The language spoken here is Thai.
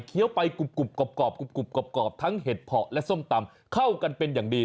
ไปกรุบกรอบกรุบกรอบทั้งเห็ดเพาะและส้มตำเข้ากันเป็นอย่างดี